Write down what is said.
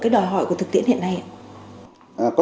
cái đòi hỏi của thực tiễn hiện nay có